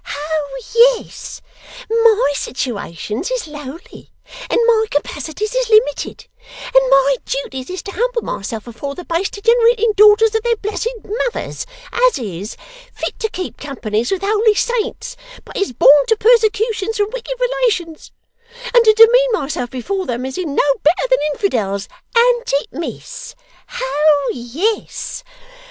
Ho yes! My situations is lowly, and my capacities is limited, and my duties is to humble myself afore the base degenerating daughters of their blessed mothers as is fit to keep companies with holy saints but is born to persecutions from wicked relations and to demean myself before them as is no better than Infidels an't it, miss! Ho yes!